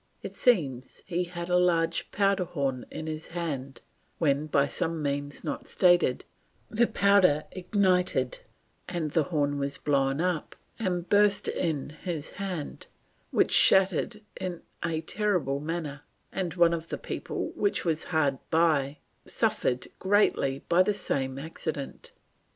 It seems he had a large powder horn in his hand, when, by some means not stated, the powder ignited, and the horn "was blown up and burst in his hand, which shattered it in a terrible manner, and one of the people which was hard by suffered greatly by the same accident."